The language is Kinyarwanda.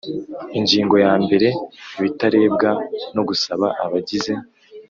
Ingingo yambere Ibitarebwa no gusaba abagize